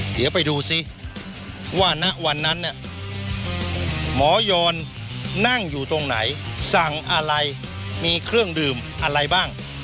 เดี๋ยวไปดูซิว่าณวันนั้นเนี่ยหมอยอนนั่งอยู่ตรงไหนสั่งอะไรมีเครื่องดื่มอะไรบ้าง